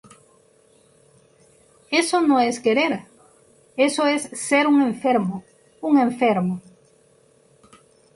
eso no es querer. eso es ser un enfermo. un enfermo.